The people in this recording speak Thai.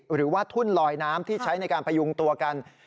หรือว่าทุ่นลอยน้ำที่ใช้ในการพยุงตัวกัน